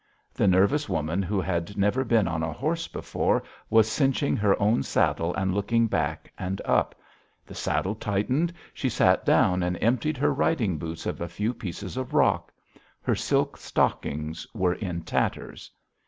The nervous woman who had never been on a horse before was cinching her own saddle and looking back and up. The saddle tightened, she sat down and emptied her riding boots of a few pieces of rock. Her silk stockings were in tatters.